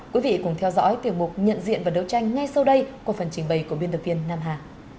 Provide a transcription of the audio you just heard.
quý vị cùng theo dõi tiểu mục nhận diện và đấu tranh ngay sau đây của phần trình bày của biên tập viên nam hà